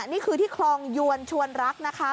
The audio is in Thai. นี่คือที่คลองยวนชวนรักนะคะ